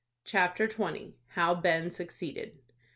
CHAPTER XX. HOW BEN SUCCEEDED.